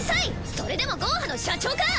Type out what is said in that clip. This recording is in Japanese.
それでもゴーハの社長か！